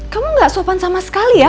kamu gak sopan sama sekali ya